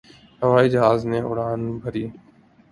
ہوائی جہاز نے اڑان بھری